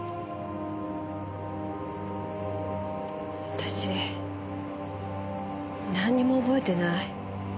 私なんにも覚えてない。